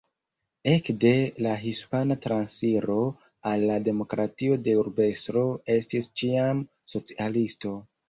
Ekde la Hispana Transiro al la demokratio la urbestro estis ĉiam socialisto.